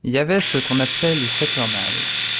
Y avait ce qu’on appelait les Saturnales.